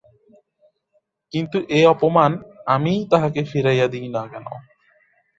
কিন্তু এ অপমান আমিই তাহাকে ফিরাইয়া দিই না কেন।